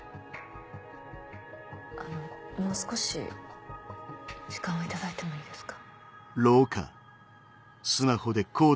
あのもう少し時間を頂いてもいいですか？